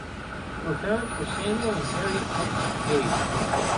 Her parents were Samuel and Harriet (Putnam) Page.